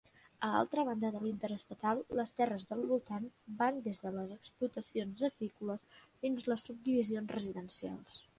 A l'altra banda de l'Interestatal, les terres del voltant van des de les explotacions agrícoles fins a les subdivisions residencials.